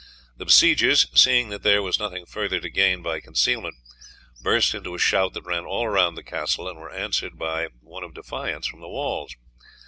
The besiegers, seeing that there was nothing further to gain by concealment, burst into a shout that ran all round the castle, and were answered by one of defiance from the walls.